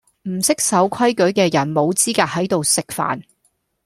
唔識守規矩既人無資格喺度食飯